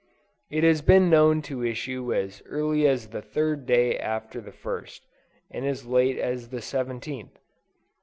It has been known to issue as early as the third day after the first, and as late as the seventeenth.